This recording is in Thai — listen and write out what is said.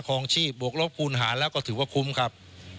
คลองชีพบวกลบคูณหารแล้วก็ถือว่าคุ้มครับ